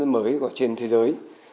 mới trên thế giới